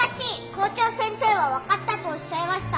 校長先生は分かったとおっしゃいました。